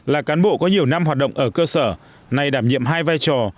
là cán bộ có nhiều năm hoạt động ở cơ sở này đảm nhiệm hai vai trò